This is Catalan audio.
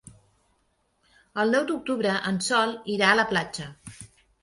El nou d'octubre en Sol irà a la platja.